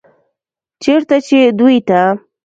چرته چې دوي ته